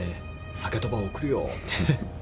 鮭とば送るよ」って。